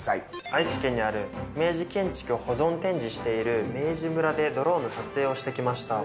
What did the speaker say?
愛知県にある明治建築を保存展示している明治村でドローンの撮影をしてきました。